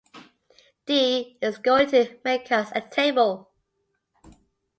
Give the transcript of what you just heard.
Dee is going to make us a table.